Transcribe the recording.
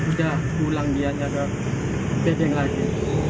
udah pulang dia ke bdng lagi